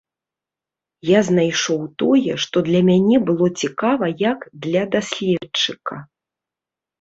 Я знайшоў тое, што для мяне было цікава як для даследчыка.